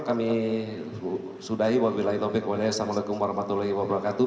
kami sudahi wabillahi tobek wabillahi assalamualaikum warahmatullahi wabarakatuh